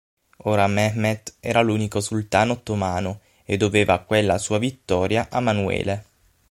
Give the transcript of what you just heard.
Ora Mehmet era l'unico sultano ottomano e doveva quella sua vittoria a Manuele.